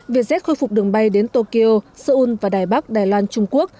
vietjet khôi phục đường bay đến tokyo seoul và đài bắc đài loan trung quốc